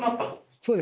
そうです